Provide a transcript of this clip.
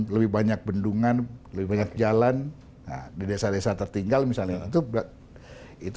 lebih banyak bendungan lebih banyak jalan di desa desa tertinggal misalnya itu berat itu